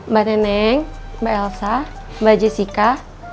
mbak neneng mbak elsa mbak jessica